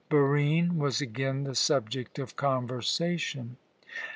Barine was again the subject of conversation.